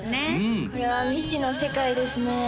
これは未知の世界ですね